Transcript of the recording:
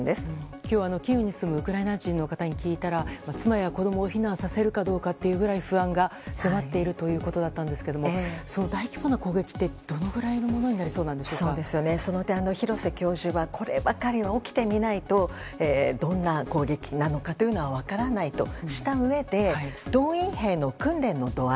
今日、キーウに住むウクライナ人の方に話を聞いたら妻や子供を避難させるかどうかというぐらい不安が迫っているということだったんですがその大規模な攻撃ってどのぐらいのものにその点、廣瀬教授はこればかりは起きてみないとどんな攻撃なのかは分からないとしたうえで動員兵の訓練の度合い